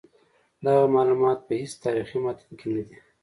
دغه معلومات په هیڅ تاریخي متن کې نه دي.